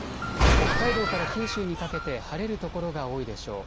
北海道から九州にかけて晴れる所が多いでしょう。